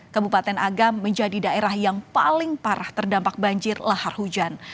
kabupaten agam menjadi daerah yang paling parah terdampak banjir lahar hujan